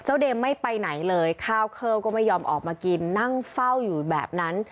เดมไม่ไปไหนเลยข้าวเข้าก็ไม่ยอมออกมากินนั่งเฝ้าอยู่แบบนั้น